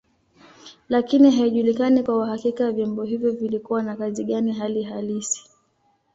Lakini haijulikani kwa uhakika vyombo hivyo vilikuwa na kazi gani hali halisi.